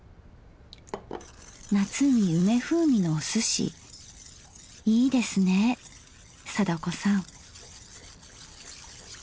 夏に梅風味のおすしいいですね貞子さん。